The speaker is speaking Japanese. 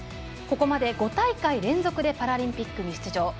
ここまで５大会連続でパラリンピックに出場。